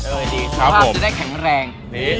อืมสภาพจะได้แข็งแรง